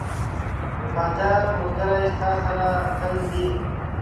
• وفادار ملګری ستا سره تل وي.